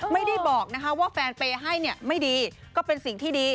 ไม่ได้บอกนะคะว่าแฟนเปย์ให้เนี่ยไม่ดีก็เป็นสิ่งที่ดี